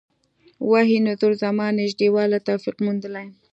وحي نزول زمان نژدې والی توفیق موندلي.